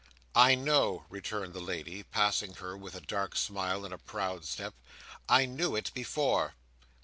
"I know," returned the lady, passing her with a dark smile, and a proud step. "I knew it before.